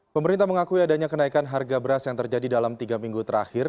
pemerintah mengakui adanya kenaikan harga beras yang terjadi dalam tiga minggu terakhir